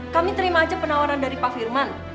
kami terima aja penawaran dari pak firman